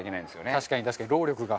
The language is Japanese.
確かに確かに労力が。